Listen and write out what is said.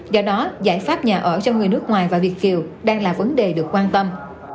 do đó giải pháp nhà ở cho người nước ngoài và việt kiều đang là vấn đề được quan tâm